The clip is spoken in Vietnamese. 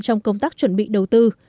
trong công tác chuẩn bị đầu tư